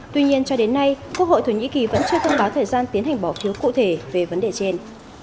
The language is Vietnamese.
tuy nhiên cho đến nay quốc hội thổ nhĩ kỳ vẫn chưa thông báo thời gian tiến hành bỏ phiếu cụ thể về vấn đề trên